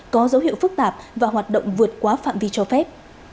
có dấu hiệu phức tạp và hoạt động vượt quá phạm vi cho phép